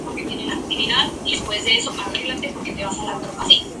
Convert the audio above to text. John Sample", con Puig Claret como parte del equipo directivo.